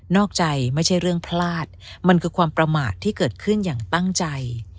อกใจไม่ใช่เรื่องพลาดมันคือความประมาทที่เกิดขึ้นอย่างตั้งใจ